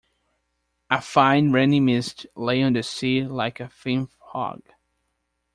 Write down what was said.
A fine rainy mist lay on the sea like a thin fog.